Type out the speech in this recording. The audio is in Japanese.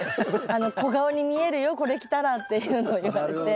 「小顔に見えるよこれ着たら」っていうのを言われて。